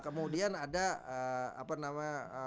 kemudian ada apa namanya